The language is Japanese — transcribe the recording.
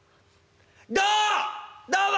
どうも！